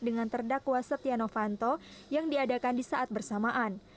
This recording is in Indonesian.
dengan terdakwa setia novanto yang diadakan di saat bersamaan